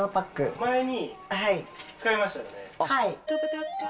はい。